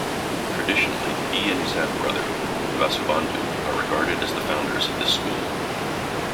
Traditionally, he and his half-brother Vasubandhu are regarded as the founders of this school.